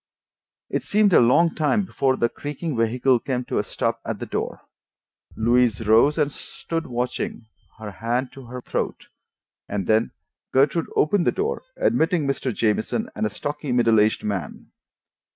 It seemed a long time before the creaking vehicle came to a stop at the door. Louise rose and stood watching, her hand to her throat. And then Gertrude opened the door, admitting Mr. Jamieson and a stocky, middle aged man.